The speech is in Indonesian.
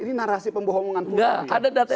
ini narasi pembohongan publik